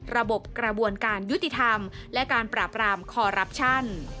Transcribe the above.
ระบบกระบวนการยุติธรรมและการปราบรามคอรับชัน